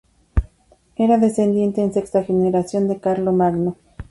Era descendiente en sexta generación de Carlomagno.